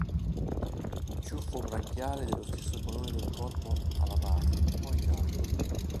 Ciuffo branchiale dello stesso colore del corpo alla base, poi giallo.